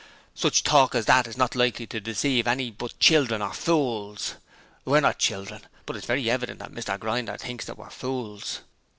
'Such talk as that is not likely to deceive any but children or fools. We are not children, but it is very evident that Mr Grinder thinks that we are fools.